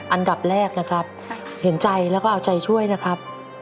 อันดับแรกนะครับเห็นใจแล้วก็เอาใจช่วยนะครับ